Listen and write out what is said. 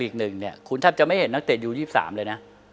คือนักเต็ดเนี่ย